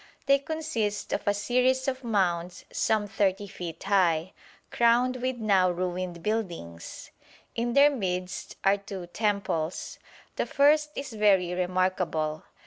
They consist of a series of mounds some 30 feet high, crowned with now ruined buildings. In their midst are two temples. The first is very remarkable.